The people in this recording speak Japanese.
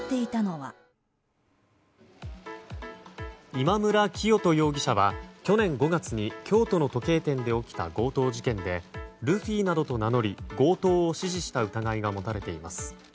今村磨人容疑者は去年５月に京都の時計店で起きた強盗事件でルフィなどと名乗り強盗を指示した疑いが持たれています。